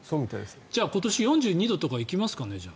じゃあ今年４２度とかいきますかね。